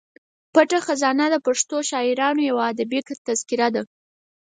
پټه خزانه د پښتنو شاعرانو یوه ادبي تذکره ده.